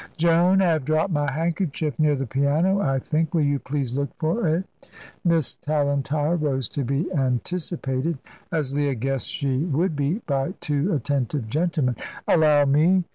"Joan, I have dropped my handkerchief near the piano, I think. Will you please look for it?" Miss Tallentire rose, to be anticipated, as Leah guessed she would be, by two attentive gentlemen. "Allow me!"